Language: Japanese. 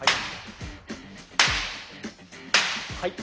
はい。